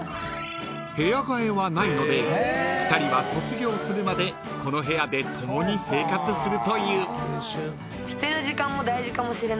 ［部屋替えはないので２人は卒業するまでこの部屋で共に生活するという］